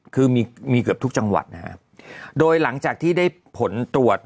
คือมีมีเกือบทุกจังหวัดนะครับโดยหลังจากที่ได้ผลตรวจ